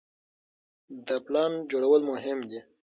د پلان جوړول مهم دي.